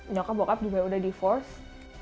nyokap bokap juga udah divorce